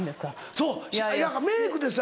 そうメークです